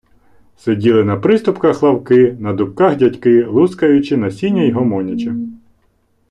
Сиділи на приступках лавки, на дубках дядьки, лускаючи насіння й гомонячи.